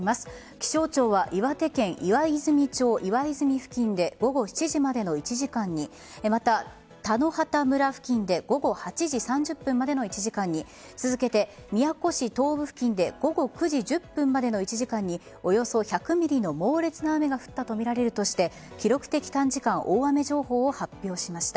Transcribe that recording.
気象庁は岩手県岩泉町岩泉付近で午後７時までの１時間にまた、田野畑村付近で午後８時３０分までの１時間に続けて、宮古市東部付近で午後９時１０分までの１時間におよそ１００ｍｍの猛烈な雨が降ったとみられるとして記録的短時間大雨情報を発表しました。